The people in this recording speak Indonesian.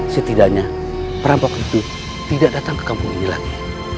setidaknya perampok itu tidak datang ke kampung ini lagi